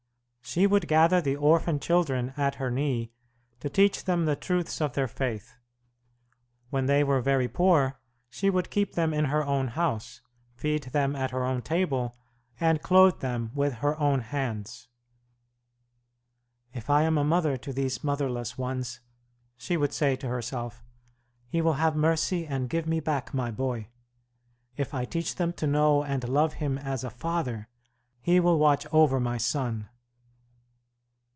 She would gather the orphan children at her knee to teach them the truths of their Faith. When they were very poor, she would keep them in her own house, feed them at her own table, and clothe them with her own hands. "If I am a mother to these motherless ones," she would say to herself, "He will have mercy and give me back my boy; if I teach them to know and love Him as a Father, He will watch over my son."